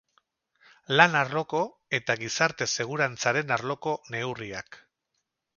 Lan-arloko eta Gizarte Segurantzaren arloko neurriak.